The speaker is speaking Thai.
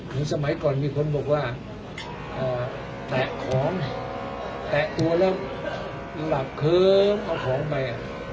สมัยก่อนมีคนบอกว่าแตะของแตะตัวแล้วหลับเคิ้มเอาของไป